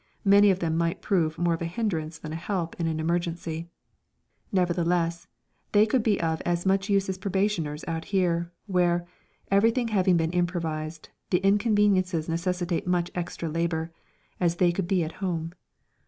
many of them might prove more of a hindrance than a help in an emergency. Nevertheless, they could be of as much use as probationers out here where, everything having been improvised, the inconveniences necessitate much extra labour as they could be at home.